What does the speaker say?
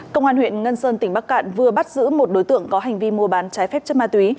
công an huyện ngân sơn tỉnh bắc cạn vừa bắt giữ một đối tượng có hành vi mua bán trái phép chất ma túy